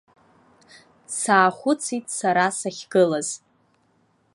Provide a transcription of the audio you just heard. Саахәыцит сара сахьгылаз.